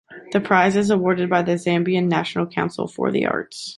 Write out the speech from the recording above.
The prize is awarded by the Zambian National Council for the Arts.